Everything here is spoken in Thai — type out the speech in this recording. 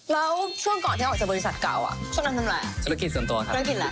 แล้วช่วงก่อนที่ออกจากบริษัทเก่าอ่ะช่วงนั้นทำอะไรอ่ะ